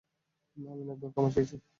আমি অনেকবার ক্ষমা চেয়েছি।